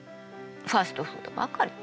ファストフードばかり。